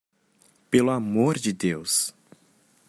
Pelo amor de Deus